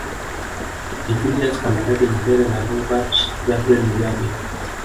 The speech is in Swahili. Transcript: Ni Julius Kambarage Nyerere na Robert Gabriel Mugabe